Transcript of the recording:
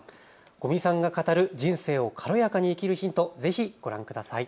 五味さんが語る人生を軽やかに生きるヒント、ぜひご覧ください。